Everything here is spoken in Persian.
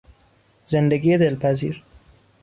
زندگی دلپذیر